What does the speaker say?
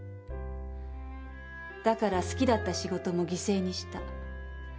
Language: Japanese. だから好きだった仕事も犠牲にした。